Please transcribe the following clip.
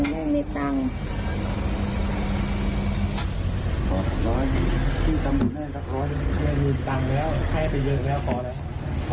ให้มือตังน์แล้วให้ไปเยินแล้วพอแล้ว